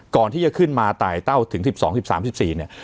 ก่อนที่จะขึ้นมาไต่เต้าถึง๑๒๑๓๑๔เนี่ย